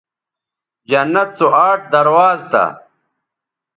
جنت سو آٹھ درواز تھا